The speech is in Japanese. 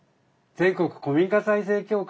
全国古民家再生協会。